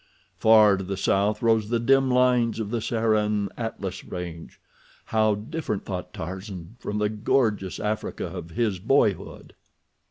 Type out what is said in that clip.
Far to the south rose the dim lines of the Saharan Atlas range. How different, thought Tarzan, from the gorgeous Africa of his boyhood!